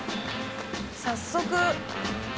早速。